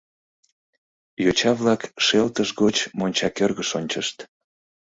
Йоча-влак шелтыш гоч монча кӧргыш ончышт.